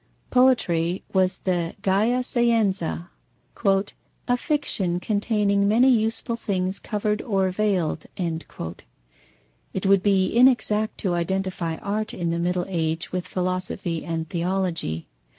Poetry was the gaia scienza, "a fiction containing many useful things covered or veiled." It would be inexact to identify art in the Middle Age with philosophy and theology.